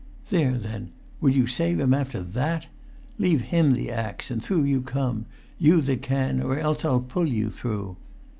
"There, then! Would you save him after that? Leave him the axe and through you come, you that can, or else I'll pull you through!"